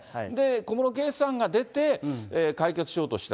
小室圭さんが出て、解決しようとした。